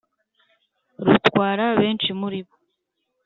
rutwara benshi muri bo